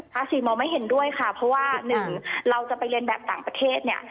ราศีมองไม่เห็นด้วยค่ะเพราะว่าหนึ่งเราจะไปเรียนแบบต่างประเทศเนี่ย